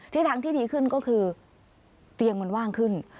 ทางที่ดีขึ้นก็คือเตียงมันว่างขึ้น